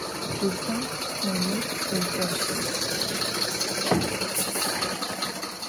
Şüzım melıl ızjoşt.